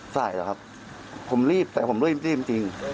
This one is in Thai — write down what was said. สายเหรอครับผมรีบแต่ผมไม่รู้จริงจริง